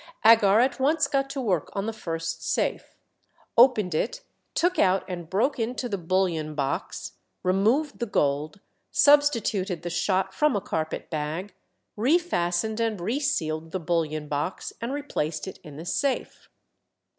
Agar at once got to work on the first safe, opened it, took out and broke into the bullion box, removed the gold, substituted the shot from a carpet bag, re fastened and re sealed the bullion box, and replaced it in the safe.